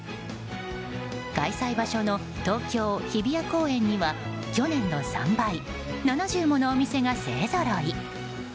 開催場所の東京・日比谷公園には去年の３倍７０ものお店が勢ぞろい。